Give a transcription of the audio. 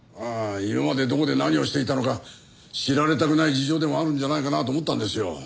今までどこで何をしていたのか知られたくない事情でもあるんじゃないかなと思ったんですよ。